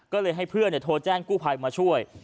ก็เลยให้เพื่อนโทรแจ้งกู้ภัยมาช่วย